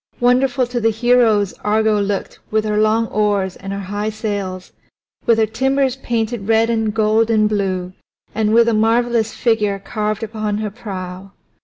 Wonderful to the heroes Argo looked with her long oars and her high sails, with her timbers painted red and gold and blue, and with a marvelous figure carved upon her prow.